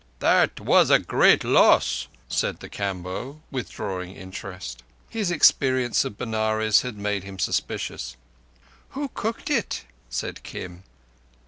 "That was a great loss," said the Kamboh, withdrawing interest. His experience of Benares had made him suspicious. "Who cooked it?" said Kim.